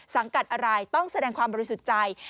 สังกัดอะไรต้องแสดงความบริสุทธิ์ใจ